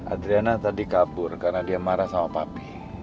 adriana tadi kabur karena dia marah sama papi